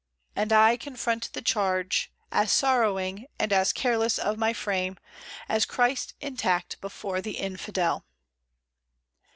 And I confront the charge. As sorrowing, and as careless of my fame, As Christ intact before the infidel.